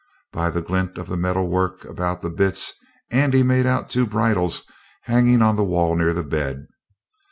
By the glint of the metal work about the bits Andy made out two bridles hanging on the wall near the bed.